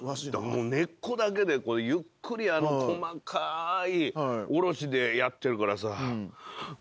根っこだけでゆっくり細かいおろしでやってるからさ。